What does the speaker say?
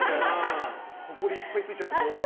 ほこりいっぱいついちゃって。